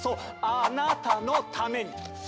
あ・な・たのために！